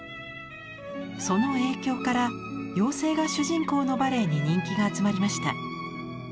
その影響から妖精が主人公のバレエに人気が集まりました。